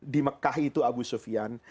di mekkah itu abu sufyan